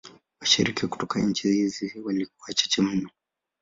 Washiriki kutoka nchi hizi walikuwa wachache mno.